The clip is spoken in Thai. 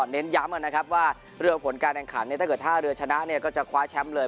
เน้นย้ำว่าเรื่องผลการแข่งขันถ้าเรือชนะก็จะคว้าแชมป์เลย